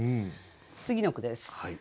次の句です。